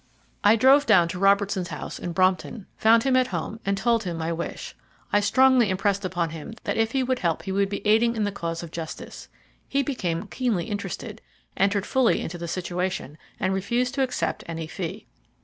I drove down to Robertson's house in Brompton, found him at home, and told him my wish. I strongly impressed upon him that if he would help he would be aiding in the cause of justice. He became keenly interested, entered fully into the situation, and refused to accept any fee.